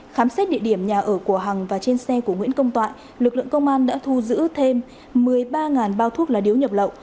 khám xét địa điểm nhà ở của hằng và trên xe của nguyễn công toại lực lượng công an đã thu giữ thêm một mươi ba bao thuốc lá điếu nhập lậu